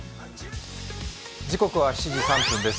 時刻は７時３分です。